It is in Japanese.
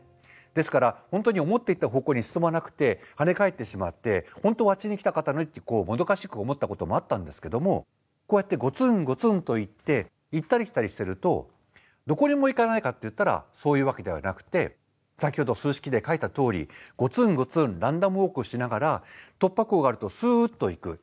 ですから本当に思っていた方向に進まなくて跳ね返ってしまって本当はあっちに行きたかったのにってもどかしく思ったこともあったんですけどもこうやってゴツンゴツンといって行ったり来たりしてるとどこにも行かないかっていったらそういうわけではなくて先ほど数式で書いたとおりゴツンゴツンランダムウォークしながら突破口があるとすっと行く。